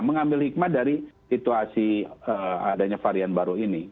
mengambil hikmat dari situasi adanya varian baru ini